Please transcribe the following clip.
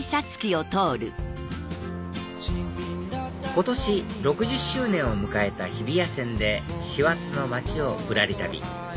今年６０周年を迎えた日比谷線で師走の街をぶらり旅